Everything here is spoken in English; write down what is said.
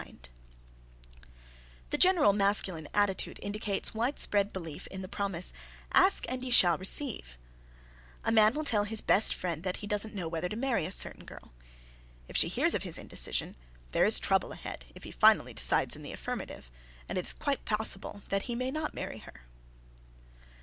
[Sidenote: Indecision] The general masculine attitude indicates widespread belief in the promise, "Ask, and ye shall receive." A man will tell his best friend that he doesn't know whether to marry a certain girl. If she hears of his indecision there is trouble ahead, if he finally decides in the affirmative, and it is quite possible that he may not marry her.